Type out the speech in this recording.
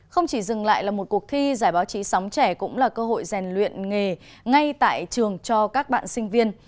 không chỉ dừng lại là một cuộc thi giải báo chí sống trẻ cũng là cơ hội rèn luyện nghề ngay tại trường cho các bạn sinh viên